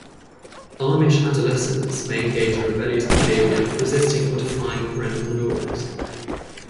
Amish adolescents may engage in rebellious behavior, resisting or defying parental norms.